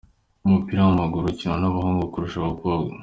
umupira wamaguru ukinwa nabahungu kurusha abakobwa.